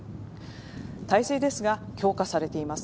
態勢ですが、強化されています。